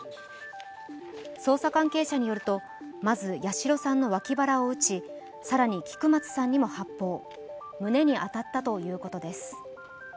捜査関係者によると、まず八代さんの脇腹を撃ち、更に菊松さんにも発砲、胸に当たったということです。